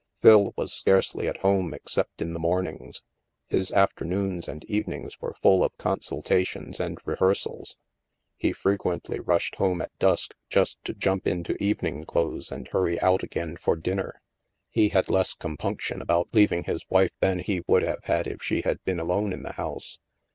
Phil was scarcely at home except in the mornings. His aft ernoons and evenings were full of consultations and rehearsals. He * frequently rushed home at dusk, just to jump into evening clothes and hurry out again for dinner. He had less compunction about leaving his wife than he would have had if she had been alone in the house.